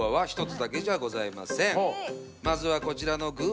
まずはこちらのグぅ！